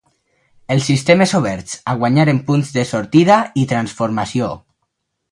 Els sistemes oberts, a guanyar en punts de sortida i transformació.